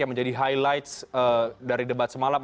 yang menjadi highlight dari debat semalam